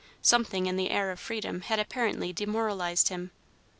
Something in the air of freedom had apparently demoralized him.